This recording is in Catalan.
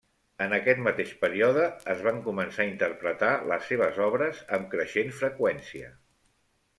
En aquest mateix període es van començar a interpretar les seves obres amb creixent freqüència.